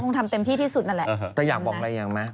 คงทำเต็มที่ที่สุดนั่นแหละ